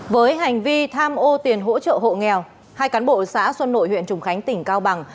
với hành vi tham ô tiền hỗ trợ hộ nghèo hai cán bộ xã xuân nội huyện trùng khánh tỉnh cao bằng